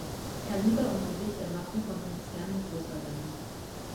Kaliber und Gewicht der Waffen konnten bisher nur größer werden.